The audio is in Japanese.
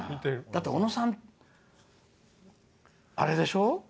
だって小野さん、あれでしょ。